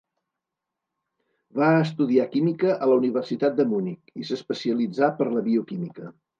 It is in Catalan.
Va estudiar química a la Universitat de Munic, i s'especialitzà per la bioquímica.